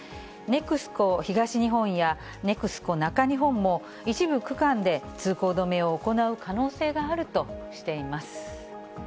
ネクスコ東日本や、ネクスコ中日本も、一部区間で通行止めを行う可能性があるとしています。